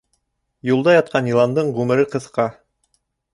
Юлда ятҡан йыландың ғүмере ҡыҫҡа.